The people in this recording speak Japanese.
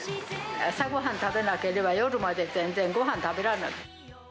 朝ごはん食べなければ夜まで全然、ごはん食べられなかった。